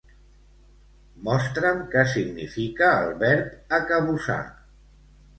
Mostra'm què significa el verb acabussar.